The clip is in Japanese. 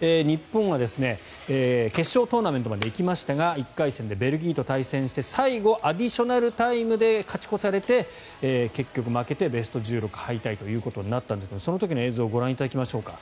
日本は決勝トーナメントまで行きましたが１回戦でベルギーと対戦して最後、アディショナルタイムで勝ち越されて結局負けてベスト１６敗退となったんですがその時の映像ご覧いただきましょうか。